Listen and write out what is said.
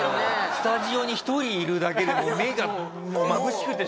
スタジオに１人いるだけでも目がまぶしくてしょうがないよね。